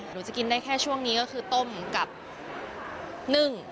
หนูจะกินได้แค่ช่วงนี้ก็คือต้มกับนึ่ง